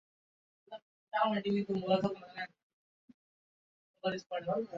শহরটির অর্থনীতি কয়লা খনির উপরে নির্ভরশীল।